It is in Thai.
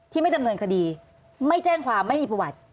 ไม่ดำเนินคดีไม่แจ้งความไม่มีประวัติ